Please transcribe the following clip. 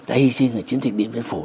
đã hy sinh ở chiến thịnh biển vân phủ